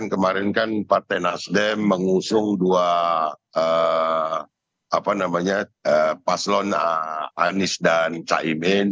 kemarin kan partai nasdem mengusung dua paslon anies dan caimin